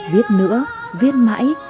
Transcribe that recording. viết nữa viết mãi